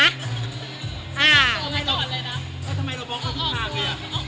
ก็ทำไมเราบล็อกเค้าทิ้งข้างเลยอะ